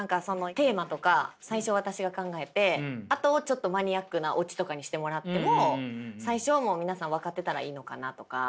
テーマとか最初私が考えてあとをちょっとマニアックなオチとかにしてもらっても最初はもう皆さん分かってたらいいのかなとか。